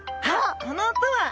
この音は！